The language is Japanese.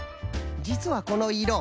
じつはこのいろ